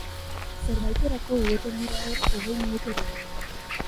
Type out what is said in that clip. Zerbaitetarako egoten dira hor hogei minutu horiek.